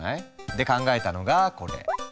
で考えたのがこれ。